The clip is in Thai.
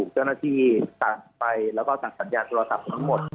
เจ้าหน้าที่สั่งไปแล้วก็สั่งสัญญาโทรศัพท์ทั้งหมด